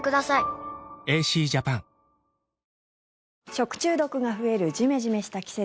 食中毒が増えるジメジメした季節。